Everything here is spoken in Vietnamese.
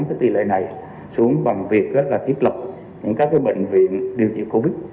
vì lợi này xuống bằng việc là thiết lập những các cái bệnh viện điều trị covid